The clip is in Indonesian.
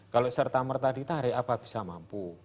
kalau serta merta ditarik apa bisa mampu